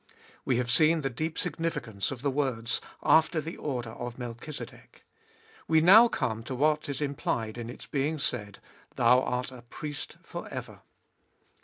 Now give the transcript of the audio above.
We have seen the deep significance of the words, after the order of Melchizedek. We now come to what is implied in its being said, Thou art a Priest for ever.